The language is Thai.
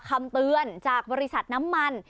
คำเตือนจากบริษัทน้ำมัน